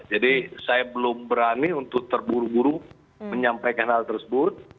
jadi saya belum berani untuk terburu buru menyampaikan hal tersebut